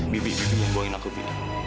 bi bi bi mau buangin aku bi